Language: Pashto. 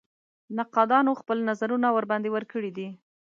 نقادانو خپل نظرونه ورباندې ورکړي دي.